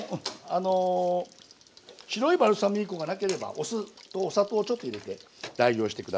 白いバルサミコがなければお酢とお砂糖をちょっと入れて代用して下さい。